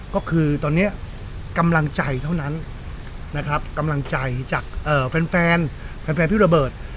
ก็คือตอนนี้กำลังใจเท่านั้นนะครับกำลังใจจากแฟนแฟนพี่โรเบิร์ต